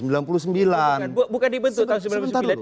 bukan dibentuk tahun sembilan puluh sembilan